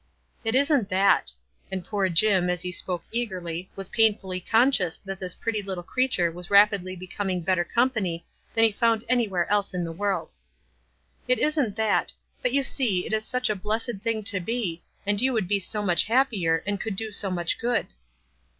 "It isn't that." And poor Jim, as he spoke eagerly, was painfully conscious that this pretty little creature was rapidly becoming better com pany than he found anywhere else in the world. "It isn't that; but you see it is such a blessed thing to be, and you would be so much happier, and could do so much good."